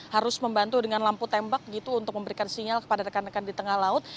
harus membantu dengan lampu tembak gitu untuk memberikan sinyal kepada rekan rekan di tengah laut